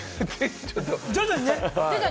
徐々にね。